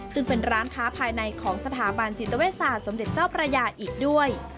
ซึ่งเป็นร้านค้าภายในของสถาบันจิตเวศาสตร์สมเด็จเจ้าพระยาอีกด้วย